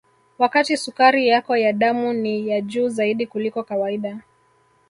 wakati sukari yako ya damu ni ya juu zaidi kuliko kawaida